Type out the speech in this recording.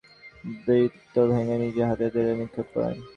রাসূল সাল্লাল্লাহু আলাইহি ওয়াসাল্লাম বৃত্ত ভেঙ্গে নিজ হাতে তীর নিক্ষেপ করেন।